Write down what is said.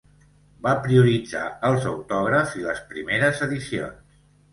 Va prioritzar els autògrafs i les primeres edicions.